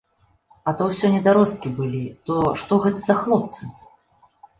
А то ўсё недаросткі былі, то што гэта за хлопцы!